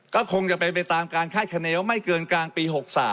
ก็คงจะไปตามการค่ายแขนวไม่เกินกลางปี๖๓